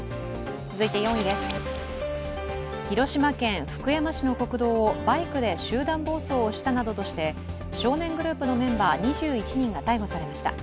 ４位です、広島県福山市の国道をバイクで集団暴走をしたなどとして少年グループのメンバー２１人が逮捕されました。